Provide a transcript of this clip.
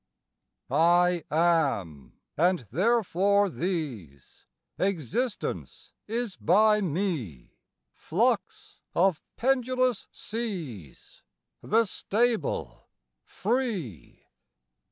I am, and therefore these, Existence is by me, Flux of pendulous seas, The stable, free.